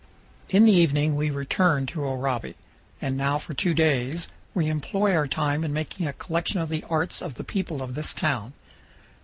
In the evening we return to Oraibi. And now for two days we employ our time in making a collection of the arts of the people of this town.